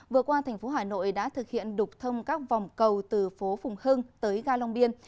vừa qua thành phố hà nội đã thực hiện đục thông các vòng cầu từ phố phùng hưng tới ga long biên